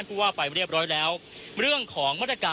คุณทัศนาควดทองเลยค่ะ